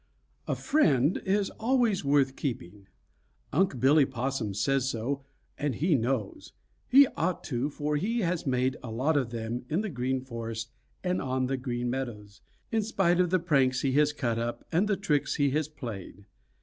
A friend is always worth keeping. Unc' Billy Possum says so, and he knows. He ought to, for he has made a lot of them in the Green Forest and on the Green Meadows, in spite of the pranks he has cut up and the tricks he has played.